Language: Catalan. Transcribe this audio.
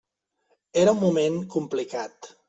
Era un moment complicat.